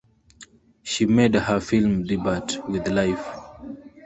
She made her film debut with Life!